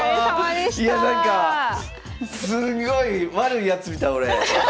いやなんかすんごい悪いやつみたい俺。